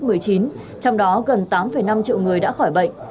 trong đó gần tám năm triệu người đã khỏi bệnh